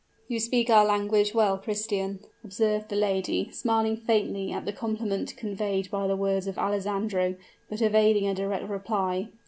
"You speak our language well, Christian," observed the lady, smiling faintly at the compliment conveyed by the words of Alessandro, but evading a direct reply.